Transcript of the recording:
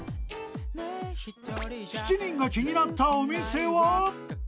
［７人が気になったお店は？］